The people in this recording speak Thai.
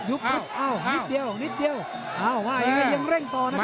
นิดเดียวนิดเดียวยังเร่งต่อนะครับ